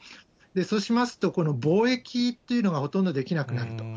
そうしますと、この貿易というのがほとんどできなくなると。